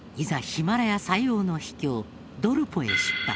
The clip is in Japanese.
ヒマラヤ最奥の秘境ドルポへ出発。